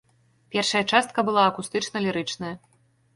Першая частка была акустычна-лірычная.